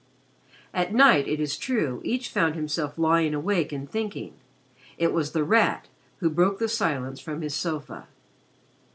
At night, it is true, each found himself lying awake and thinking. It was The Rat who broke the silence from his sofa.